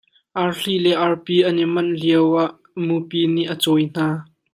Arhli le arpi an i manh lio ah mupi nih a cawi hna.